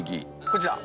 こちら。